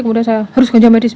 kemudian saya harus ganja medis